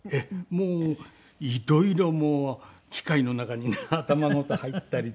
もう色々機械の中にね頭ごと入ったりとかですね